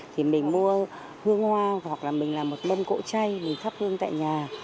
thì mình mua hương hoa hoặc là mình làm một mâm cỗ chay mình thắp hương tại nhà